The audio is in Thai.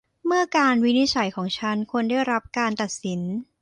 เมื่อการวินิจฉัยของฉันควรได้รับการตัดสิน